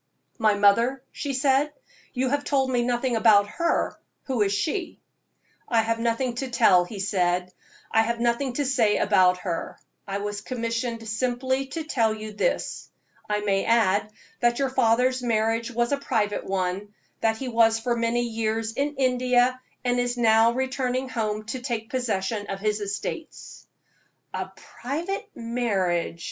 "My mother?" she said "you have told me nothing about her. Who is she?" "I have nothing to tell," he said; "I have nothing to say about her. I was commissioned simply to tell you this. I may add that your father's marriage was a private one, that he was for many years in India, and is now returning home to take possession of his estates." "A private marriage!"